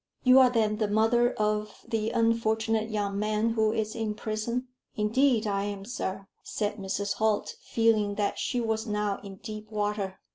"You are then the mother of the unfortunate young man who is in prison?" "Indeed I am, sir," said Mrs. Holt, feeling that she was now in deep water.